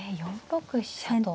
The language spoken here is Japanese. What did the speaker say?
４六飛車と。